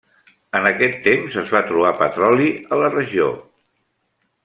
En aquest temps es va trobar petroli a la regió.